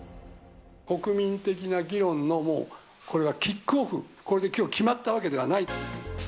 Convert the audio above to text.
国民的な議論のもう、これはキックオフ、これできょう決まったわけではない。